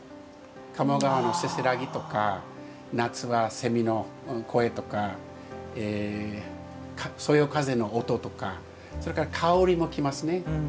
鴨川のせせらぎとか夏はセミの声とかそよ風の音とかそれから香りも来ますね。